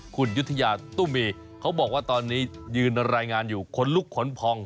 คุณยุธยาตุ้มีเขาบอกว่าตอนนี้ยืนรายงานอยู่ขนลุกขนพอง